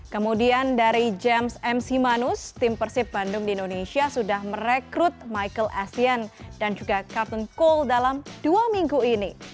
kemudian dari james m simanus tim persib bandung di indonesia sudah merekrut michael essien dan juga kartun cole dalam dua minggu ini